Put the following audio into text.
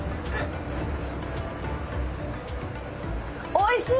おいしい！